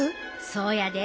そうやで。